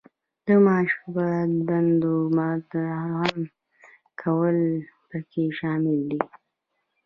د مشابه دندو مدغم کول پکې شامل دي.